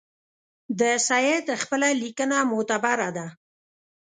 د سید خپله لیکنه معتبره ده.